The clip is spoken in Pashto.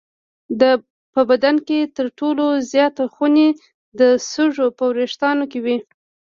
په بدن کې تر ټولو زیات خونې د سږو په وېښتانو کې دي.